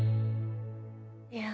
いや。